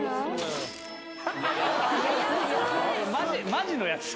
「マジのやつ！」